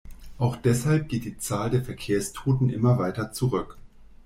Auch deshalb geht die Zahl der Verkehrstoten immer weiter zurück.